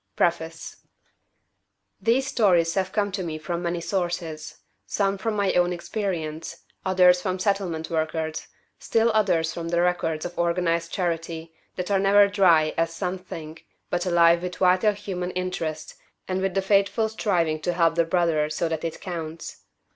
A. PREFACE These stories have come to me from many sources some from my own experience, others from settlement workers, still others from the records of organized charity, that are never dry, as some think, but alive with vital human interest and with the faithful striving to help the brother so that it counts.